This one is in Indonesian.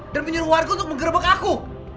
dan menyuruh warga untuk menggerbek aku